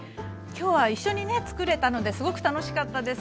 今日は一緒にねつくれたのですごく楽しかったです。